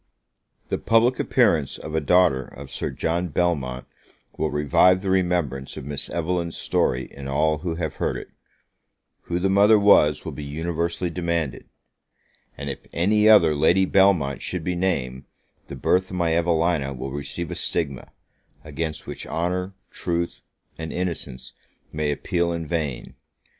The public appearance of a daughter of Sir John Belmont will revive the remembrance of Miss Evelyn's story in all who have heard it, who the mother was, will be universally demanded, and if any other Lady Belmont should be named, the birth of my Evelina will receive a stigma, against which, honour, truth, and innocence may appeal in vain!